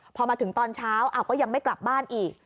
พอมาถึงตอนเช้าก็ยังไม่กลับบ้านอีก